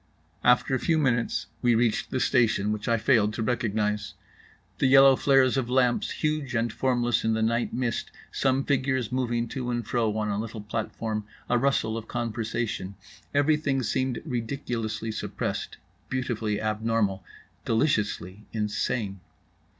After a few minutes we reached the station, which I failed to recognize. The yellow flares of lamps, huge and formless in the night mist, some figures moving to and fro on a little platform, a rustle of conversation: everything seemed ridiculously suppressed, beautifully abnormal, deliciously insane.